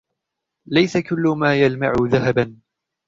ليس كل ما يلمع ذهباً.